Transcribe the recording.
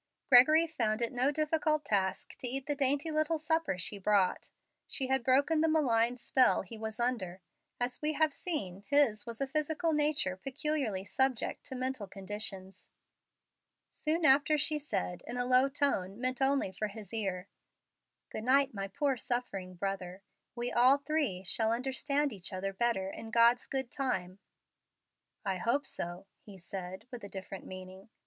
Gregory found it no difficult task to eat the dainty little supper she brought. She had broken the malign spell he was under. As we have seen, his was a physical nature peculiarly subject to mental conditions. Soon after she said, in a low tone meant only for his ear, "Good night, my poor suffering brother. We all three shall understand each other better in God's good time." "I hope so," he said, with a different meaning.